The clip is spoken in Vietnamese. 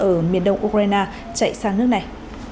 ở miền đông ukraine chạy sang nước này